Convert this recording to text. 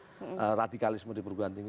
karena radikalisme di perguruan tinggi